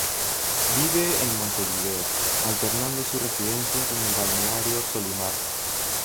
Vive en Montevideo, alternando su residencia con el balneario Solymar.